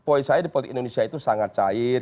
poin saya di politik indonesia itu sangat cair